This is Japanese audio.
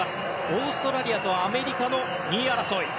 オーストラリアとアメリカの２位争い。